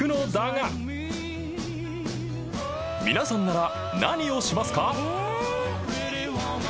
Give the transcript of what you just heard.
［皆さんなら何をしますか？］